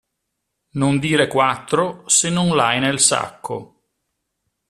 Non dire quattro se non l'hai nel sacco.